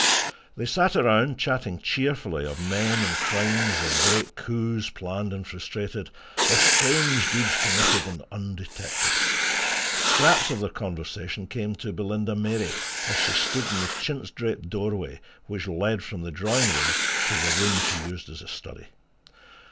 They sat around chatting cheerfully of men and crimes, of great coups planned and frustrated, of strange deeds committed and undetected. Scraps of their conversation came to Belinda Mary as she stood in the chintz draped doorway which led from the drawing room to the room she used as a study.